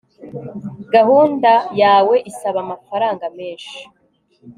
gahunda yawe isaba amafaranga menshi